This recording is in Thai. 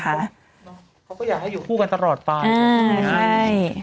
เขาก็อยากให้อยู่คู่กันตลอดไปใช่